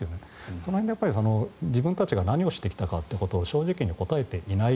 その辺で自分たちが何をしてきたかということを正直に答えていない。